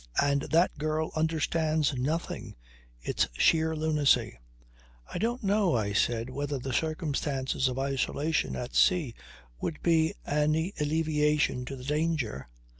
"And that girl understands nothing ... It's sheer lunacy." "I don't know," I said, "whether the circumstances of isolation at sea would be any alleviation to the danger.